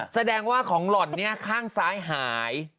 แสดงว่าของหล่อนนี้ข้างซ้ายหาย